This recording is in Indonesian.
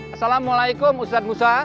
assalamualaikum ustaz musa